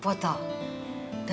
bapak kira mikirin apa